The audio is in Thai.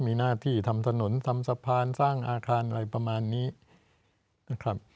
มีหน้าที่ทำถนนทำสะพานสร้างอาคารอะไรประมาณนี้นะครับ